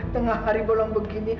tengah hari bolong begini